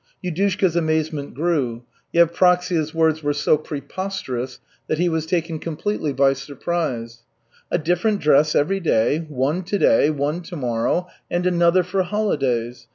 Yudushka's amazement grew. Yevpraksia's words were so preposterous that he was taken completely by surprise. "A different dress every day, one to day, one to morrow, and another for holidays.